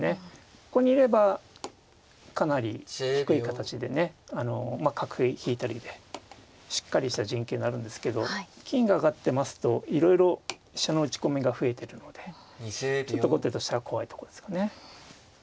ここにいればかなり低い形でね角引いたりでしっかりした陣形になるんですけど金が上がってますといろいろ飛車の打ち込みが増えてるのでちょっと後手としたら怖いところですかね。